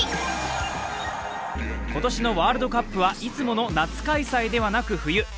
今年のワールドカップはいつもの夏開催ではなく冬。